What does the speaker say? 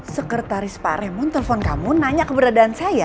sekretaris pak remun telpon kamu nanya keberadaan saya